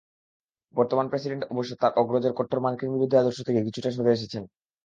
বর্তমান প্রেসিডেন্ট অবশ্য তাঁর অগ্রজের কট্টর মার্কিনবিরোধী আদর্শ থেকে কিছুটা সরে এসেছেন।